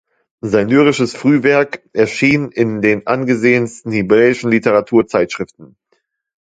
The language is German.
Sein lyrisches Frühwerk erschien in den angesehensten hebräischen Literaturzeitschriften.